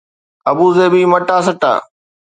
ابوظهبي مٽا سٽا